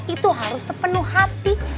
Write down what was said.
itu harus sepenuh hati